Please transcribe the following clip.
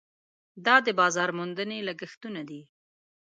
دا د بازار موندنې لګښټونه دي.